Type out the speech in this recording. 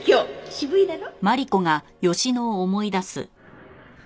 渋いだろ？